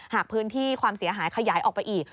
หากพื้นที่ความเสียหายขยายออกไปอีก